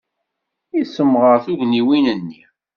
Yessemɣer tugniwin-nni.